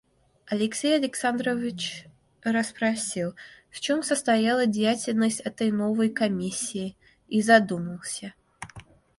Алексей Александрович расспросил, в чем состояла деятельность этой новой комиссии, и задумался.